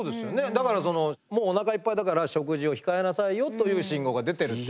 だからそのもうお腹いっぱいだから食事を控えなさいよという信号が出てるっていう。